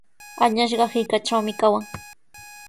Añasqa hirkatraqmi kawan.